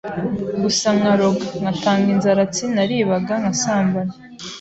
gusa nkaroga, nkatanga inzaratsi, naribaga nkasambana